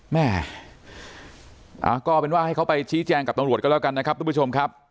แม่ก็เป็นว่าให้เขาไปชี้แจงกับตำรวจก็แล้วกันนะครับทุกผู้ชมครับ